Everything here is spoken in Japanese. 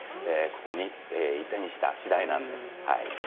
ここに移転した次第なんですはい。